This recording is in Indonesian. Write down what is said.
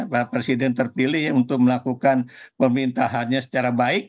pak presiden terpilih untuk melakukan pemerintahannya secara baik